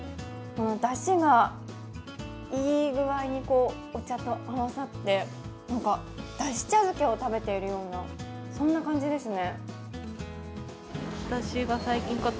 だしがいい具合にお茶と合わさってだし茶漬けを食べているようなそんな感じですね。